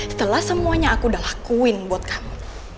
setelah semuanya aku udah lakuin buat kamu